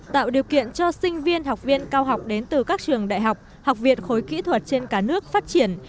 tạo điều kiện cho sinh viên học viên cao học đến từ các trường đại học học viện khối kỹ thuật trên cả nước phát triển